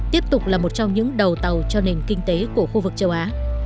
tiếp tục là một trong những đầu tàu cho nền kinh tế của khu vực châu á